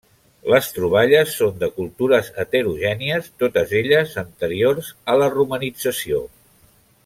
Les troballes són de cultures heterogènies, totes elles anteriors a la romanització.